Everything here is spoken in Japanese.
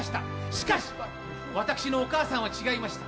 しかし私のお母さんは違いました。